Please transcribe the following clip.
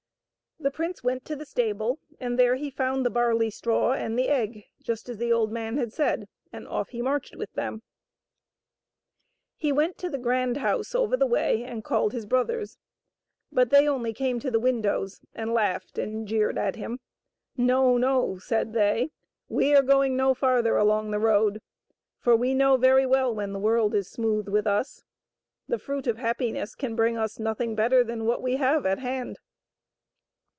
The prince went to the stable, and there he found the barley straw and the egg, just as the old man had said, and off he marched with them. He went to the grand house over the way and called his brothers, but they only came to the windows and laughed and jeered at him. " No, no," said they, " we are going no farther along the road, for we know very well when the world is smooth with us. The Fruit of Happiness can bring us nothing better than what we have at hand."